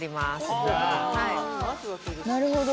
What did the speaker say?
なるほど。